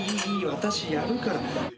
私やるから。